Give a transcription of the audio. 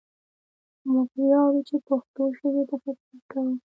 موږ وياړو چې پښتو ژبې ته خدمت کوو!